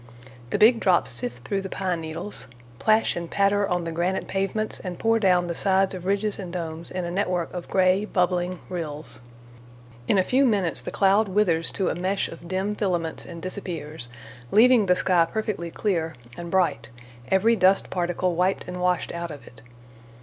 The big drops sift through the pine needles, plash and patter on the granite pavements, and pour down the sides of ridges and domes in a network of gray, bubbling rills. In a few minutes the cloud withers to a mesh of dim filaments and disappears, leaving the sky perfectly clear and bright, every dust particle wiped and washed out of it.